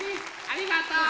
ありがとう！